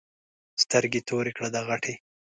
سترګې تورې کړه دا غټې.